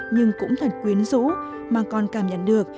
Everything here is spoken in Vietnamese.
nhưng cũng thật quyến rũ mà còn cảm nhận được